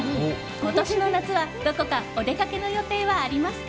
今年の夏は、どこかお出かけの予定はありますか？